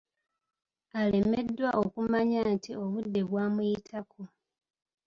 Alemeddwa okumanya nti obudde bwamuyitako.